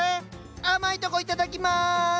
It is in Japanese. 甘いとこいただきます！